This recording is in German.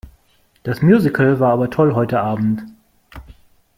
Das Musical war aber toll heute Abend.